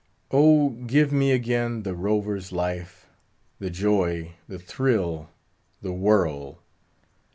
Oh, give me again the rover's life—the joy, the thrill, the whirl!